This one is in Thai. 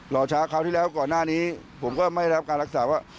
รอช้าคราวที่แล้วก่อนหน้านี้ผมก็ไม่ได้รับการรักษาว่า